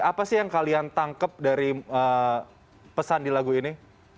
apa sih yang kalian tangkep dari pesan di lagu ini